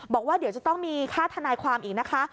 บอกว่าเดี๋ยวจะต้องมีค่าทนายความอีกนะคะ